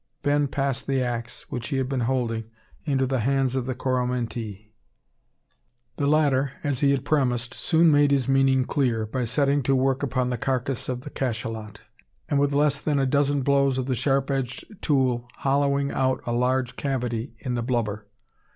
Ben passed the axe, which he had been holding, into the hands of the Coromantee. The latter, as he had promised, soon made his meaning clear, by setting to work upon the carcass of the cachalot, and with less than a dozen blows of the sharp edged tool hollowing out a large cavity in the blubber.